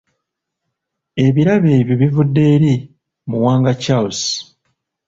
Ebirabo ebyo bivudde eri Muwanga Charles